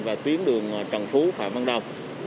và tuyến đường trần phú phạm văn đồng